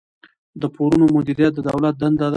د پورونو مدیریت د دولت دنده ده.